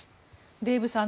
デーブさん